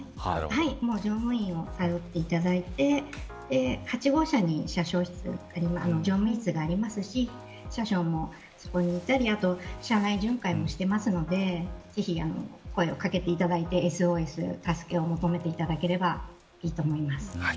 乗務員を頼っていただいて８号車に乗務員室がありますし車掌もそこにいたりあと、車内巡回もしていますのでぜひ声をかけていただいて助けを求めていただければいいと思います。